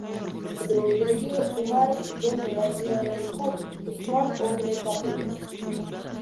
Qidiruvdagi Umar ibn Roziyalloxu Usmon o‘g‘li topildi